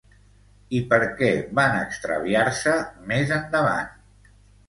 I per què van extraviar-se més endavant?